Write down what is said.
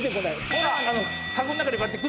ほら。